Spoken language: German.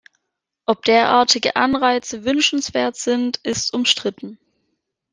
Ob derartige Anreize wünschenswert sind, ist umstritten.